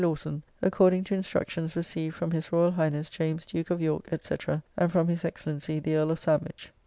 Lawson, according to instructions received from His Royal Highness James Duke of York, &c., and from His Excellency the Earle of Sandwich."